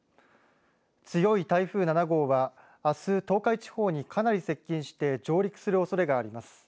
強い台風７号はあす東海地方にかなり接近して上陸するおそれがあります。